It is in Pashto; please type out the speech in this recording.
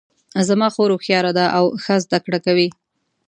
زما خور هوښیاره ده او ښه زده کړه کوي